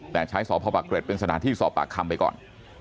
แต่ใช้สพปะเกร็ดเป็นสถานที่สอบปากคำไปก่อน